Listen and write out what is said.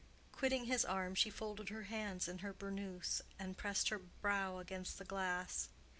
Quitting his arm, she folded her hands in her burnous, and pressed her brow against the glass.